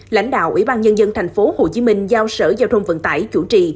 lãnh đạo ủy ban nhân dân tp hcm giao sở giao thông vận tải chủ trì